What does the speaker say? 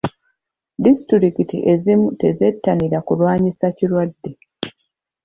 Disitulikiti ezimu tezettanira kulwanyisa kirwadde.